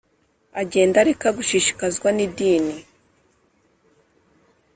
agenda areka gushishikazwa n idini